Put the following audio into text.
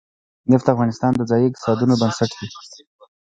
نفت د افغانستان د ځایي اقتصادونو بنسټ دی.